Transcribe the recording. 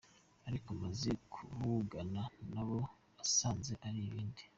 Ariko maze kuvugana nabo nasanze ari ibindi.